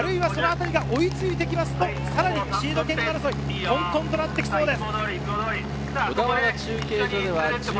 そのあたりが追いついてくると、さらにシード権争い、混沌となってきそうです。